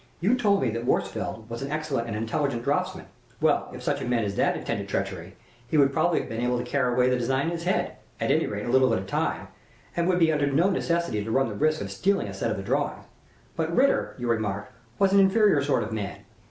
You told me that Worsfold was an excellent and intelligent draughtsman. Well, if such a man as that meditated treachery, he would probably be able to carry away the design in his head at any rate, a little at a time and would be under no necessity to run the risk of stealing a set of the drawings. But Ritter, you remarked, was an inferior sort of man.